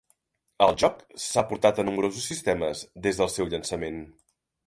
El joc s'ha portat a nombrosos sistemes des del seu llançament.